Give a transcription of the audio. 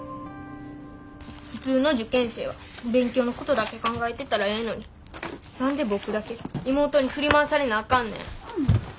普通の受験生は勉強のことだけ考えてたらええのに何で僕だけ妹に振り回されなあかんねん。